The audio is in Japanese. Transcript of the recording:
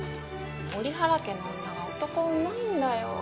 折原家の女は男運ないんだよ。